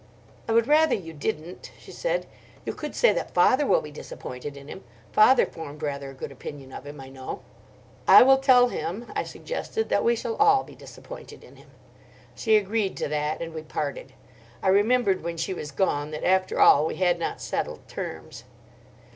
"I would rather you didn't," she said. "You could say that father will be disappointed in him. Father formed rather a good opinion of him, I know." "I will tell him," I suggested, "that we shall all be disappointed in him." She agreed to that, and we parted. I remembered, when she was gone, that after all we had not settled terms.